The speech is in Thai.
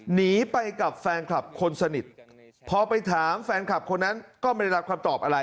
หนีไปกับแฟนคลับคนสนิทพอไปถามแฟนคลับคนนั้นก็ไม่ได้รับคำตอบอะไร